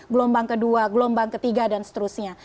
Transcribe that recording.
gelombang kedua gelombang ketiga dan seterusnya